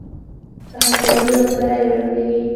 که حوصله ولرو، بری رارسېږي.